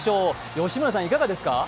吉村さん、いかがですか？